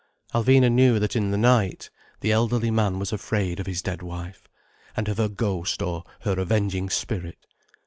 Alvina knew that in the night the elderly man was afraid of his dead wife, and of her ghost or her avenging spirit.